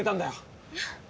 えっ？